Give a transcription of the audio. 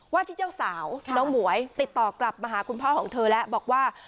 ที่เจ้าสาวน้องหมวยติดต่อกลับมาหาคุณพ่อของเธอแล้วบอกว่า